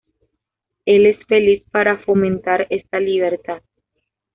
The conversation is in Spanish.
Él es feliz para fomentar esta libertad".